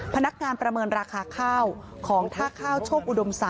พนักงานประเมินราคาข้าวของท่าข้าวโชคอุดม๓